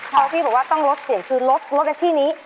พอพี่บอกว่าต้องลดเสียงคือลดในที่นี้